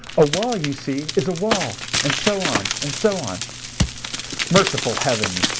A wall, you see, is a wall ... and so on, and so on." Merciful Heavens!